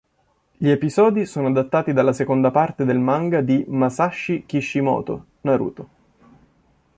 Gli episodi sono adattati dalla seconda parte del manga di Masashi Kishimoto "Naruto".